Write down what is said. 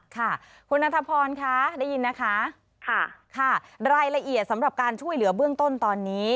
ค่ะคุณนัทพรค่ะได้ยินนะคะค่ะค่ะรายละเอียดสำหรับการช่วยเหลือเบื้องต้นตอนนี้